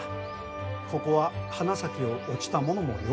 ここは花咲を落ちた者もよ